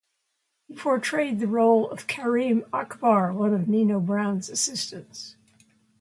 He portrayed the role of Kareem Akbar, one of Nino Brown's assistants.